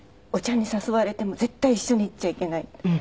「お茶に誘われても絶対一緒に行っちゃいけない」。